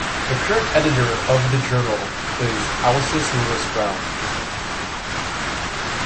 The current editor of the journal is Alscess Lewis-Brown.